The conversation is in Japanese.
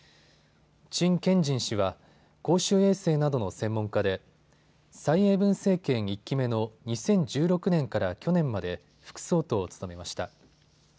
陳建仁氏は公衆衛生などの専門家で蔡英文政権１期目の２０１６年から去年まで副総統を務めました。